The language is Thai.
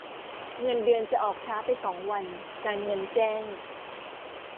เงินเดือนจะออกช้าไปสองวัน การเงินแจ้ง